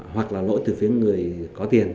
hoặc là lỗi từ phía người có tiền